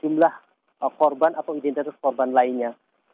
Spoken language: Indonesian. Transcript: nah korban atau identifikasi korban lainnya